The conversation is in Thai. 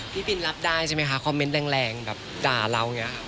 พี่บินรับได้ใช่ไหมคะคอมเมนต์แรงแบบด่าเราอย่างนี้